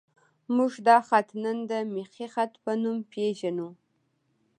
موږ دا خط نن د میخي خط په نوم پېژنو.